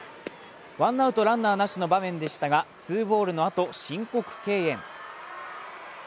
ワンアウトランナーなしの場面でしたが、２ボールのあと申告敬遠。